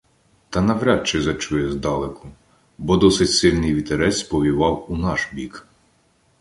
Та навряд чи зачує здалеку — бо досить сильний вітерець повівав у наш бік.